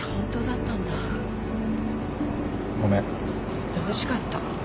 言ってほしかった。